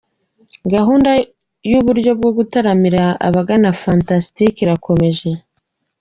Gahunda y’uburyo bwo gutaramira abagana Fantastic irakomeje.